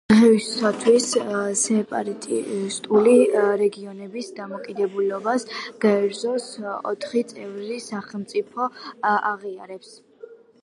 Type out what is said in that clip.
დღეისთვის, სეპარატისტული რეგიონების დამოუკიდებლობას გაერო-ს ოთხი წევრი სახელმწიფო აღიარებს.